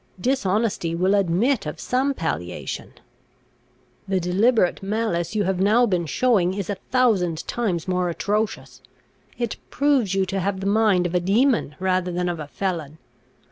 Dishonesty will admit of some palliation. The deliberate malice you have now been showing is a thousand times more atrocious. It proves you to have the mind of a demon, rather than of a felon.